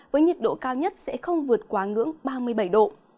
với nhiệt độ cao nhất sẽ không vượt quá ngưỡng ba mươi bảy độ